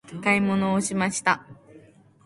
買い物をしました。